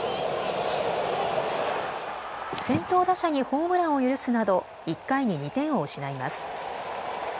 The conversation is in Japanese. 先頭打者にホームランを許すなど１回に２点を失います。